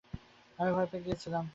আমি ভয় পেয়ে গিয়েছিলাম।